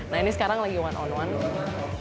nah ini sekarang lagi one on one